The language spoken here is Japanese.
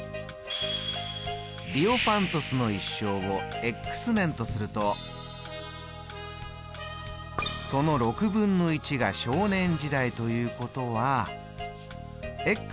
ディオファントスの一生を年とするとそのが少年時代ということは×。